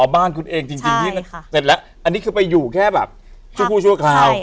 บ้านคุณเองจริงที่เสร็จแล้วอันนี้คือไปอยู่แค่แบบชั่วคราว